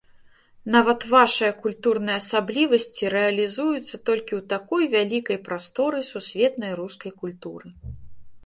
Нават вашыя культурныя асаблівасці рэалізуюцца толькі ў такой вялікай прасторы сусветнай рускай культуры.